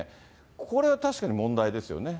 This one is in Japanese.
これは確かに問題ですよね。